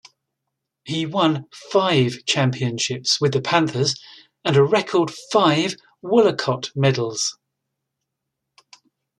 He won five championships with the Panthers and a record five Woollacott Medals.